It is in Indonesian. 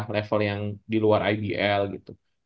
level yang di luar ibl gitu